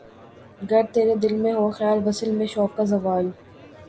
گر تیرے دل میں ہو خیال‘ وصل میں شوق کا زوال؟